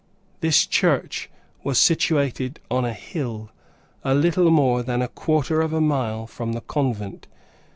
This church was situated on a hill, a little more than a quarter of a mile from the convent.